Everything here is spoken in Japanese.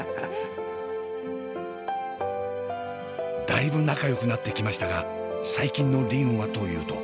だいぶ仲よくなってきましたが最近の梨鈴はというと。